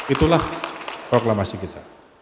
itulah proklamasi kita